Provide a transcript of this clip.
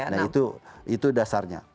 nah itu dasarnya